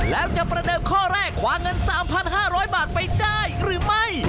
แล้วจะประเดิมข้อแรกขวาเงิน๓๕๐๐บาทไปได้หรือไม่